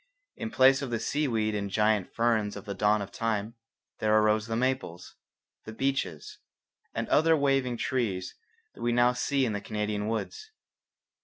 In place of the seaweed and the giant ferns of the dawn of time there arose the maples, the beeches, and other waving trees that we now see in the Canadian woods.